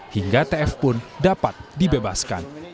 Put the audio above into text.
hingga tf pun dapat dibebaskan